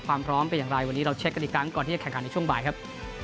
ความพร้อมเป็นอย่างไรวันนี้เราเช็คกันอีกครั้งก่อนที่จะแข่งขันในช่วงบ่ายครับ